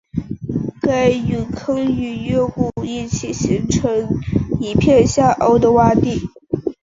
该陨坑与月谷一起形成一片下凹的洼地。